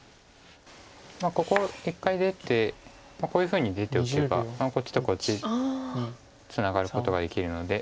ここ一回出てこういうふうに出ておけばこっちとこっちツナがることができるので。